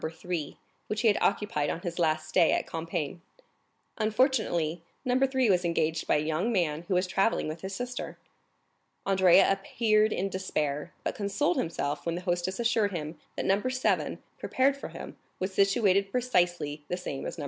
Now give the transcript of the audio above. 3, which he had occupied on his last stay at Compiègne. Unfortunately, No. 3 was engaged by a young man who was travelling with his sister. Andrea appeared in despair, but consoled himself when the hostess assured him that No. 7, prepared for him, was situated precisely the same as No.